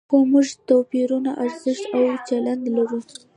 خو موږ توپیري ارزښت او چلند لرو.